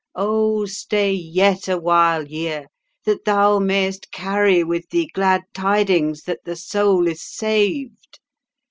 Oh, stay yet a while, Year, that thou mayest carry with thee glad tidings that the soul is saved!